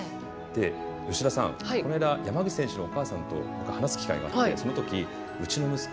吉田さん、この間山口選手のお母さんと話す機会があってそのとき、うちの息子